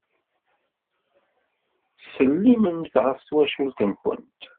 Ttsellimemt ɣef twacult-nwent.